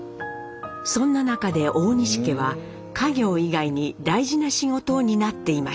そんな中で大西家は家業以外に大事な仕事を担っていました。